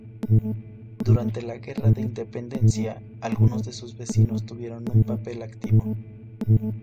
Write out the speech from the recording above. Durante la Guerra de Independencia, algunos de sus vecinos tuvieron un papel activo.